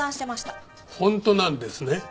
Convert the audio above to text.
本当なんですね？